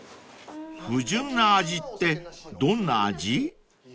［不純な味ってどんな味？］